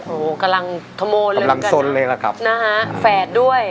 โอ้กำลังโทรโมเลยเหมือนกันนะครับแฝดด้วย